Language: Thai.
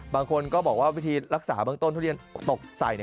บางคนบอกว่าพฤทธิ์รักษาบังเติ้ลทุเรียนตกใส่